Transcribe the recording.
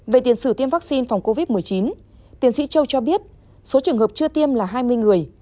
về tiền sử tiêm vaccine phòng covid một mươi chín tiến sĩ châu cho biết số trường hợp chưa tiêm là hai mươi người